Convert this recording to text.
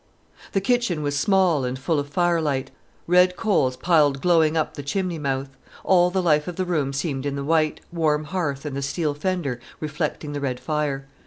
The kitchen was small and full of firelight; red coals piled glowing up the chimney mouth. All the life of the room seemed in the white, warm hearth and the steel fender reflecting the red fire.